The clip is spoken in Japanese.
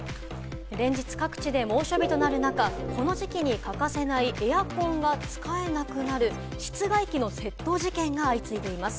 連日各地で猛暑日となる中、この時期に欠かせないエアコンが使えなくなる室外機の窃盗事件が相次いでいます。